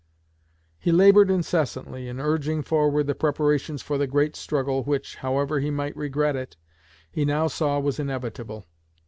He labored incessantly in urging forward the preparations for the great struggle which, however he might regret it, he now saw was inevitable.